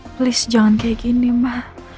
please jangan kayak gini ma